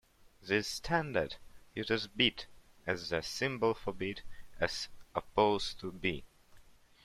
This standard uses 'bit' as the symbol for bit, as opposed to 'b'.